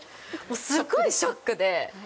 すごいショックで。